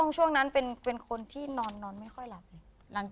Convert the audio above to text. ช่วงนั้นเป็นคนที่นอนไม่ค่อยหลับเลย